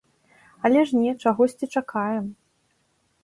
Але ж не, чагосьці чакаем.